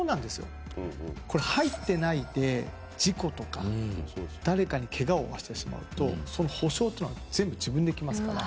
入ってないで事故とか誰かにケガを負わせてしまうとその補償っていうのは全部自分に来ますから。